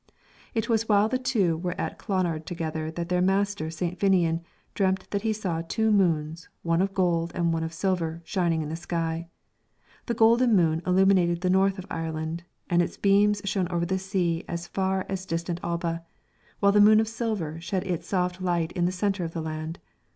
It was while the two were at Clonard together that their master St. Finnian dreamt that he saw two moons, one of gold and one of silver, shining in the sky. The golden moon illuminated the north of Ireland, and its beams shone over the sea as far as distant Alba, while the moon of silver shed its soft light in the centre of the land.